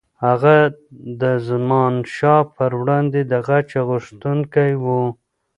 هغه د زمانشاه پر وړاندې د غچ غوښتونکی و.